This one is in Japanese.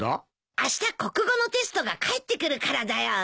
あした国語のテストが返ってくるからだよ。